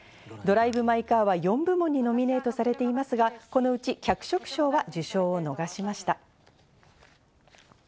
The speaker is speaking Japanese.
『ドライブ・マイ・カー』は４部門にノミネートされていますが、このうち脚色賞は受賞を逃しました。